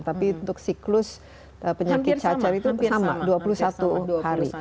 tapi untuk siklus penyakit cacar itu sama dua puluh satu hari